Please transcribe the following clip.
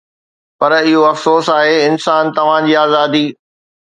پر اهو افسوس آهي، انسان، توهان جي آزادي